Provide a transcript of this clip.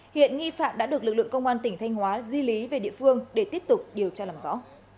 hiện nghi phạm đã được lực lượng công an tỉnh thanh hóa di lý về địa phương để tiếp tục điều tra làm rõ